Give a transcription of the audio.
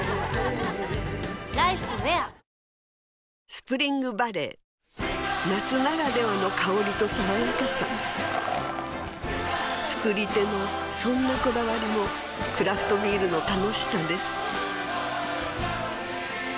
スプリングバレー夏ならではの香りと爽やかさ造り手のそんなこだわりもクラフトビールの楽しさです